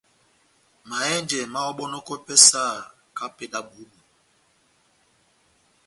Mahɛ́njɛ máháhɔbɔnɔkwɛ pɛhɛ sahakahá ó epédi yá bohó-bohó.